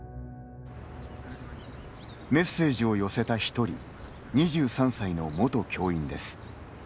メッセージを寄せた１人２３歳の元教員です。